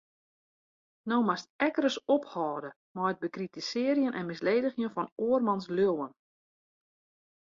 No moatst ek ris ophâlde mei it bekritisearjen en misledigjen fan oarmans leauwen.